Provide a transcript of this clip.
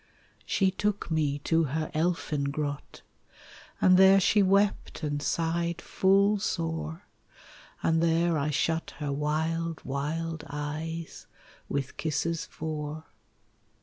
She took me to her elfin grot, And there she wept and sighed full sore; And there I shut her wild, wild eyes With kisses four.